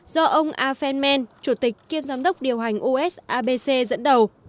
do ông a phen men chủ tịch kiêm giám đốc điều hành osapc dẫn đầu